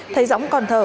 thấy dõng còn thở